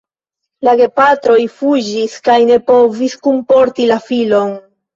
La gepatroj fuĝis kaj ne povis kunporti la filon.